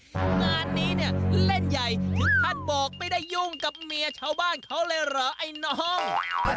โอ้โหงานนี้เล่นใหญ่ถึงท่านบอกไม่ได้ยุ่งกับเมียเช้าบ้านเขาเลยเหรอไอ้น้อง